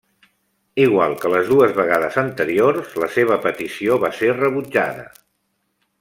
Igual que les dues vegades anteriors, la seva petició va ser rebutjada.